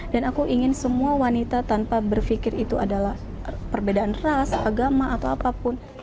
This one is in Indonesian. dan aku ingin semua wanita tanpa berpikir itu adalah perbedaan ras agama atau apapun